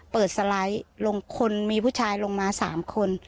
สไลด์ลงคนมีผู้ชายลงมา๓คน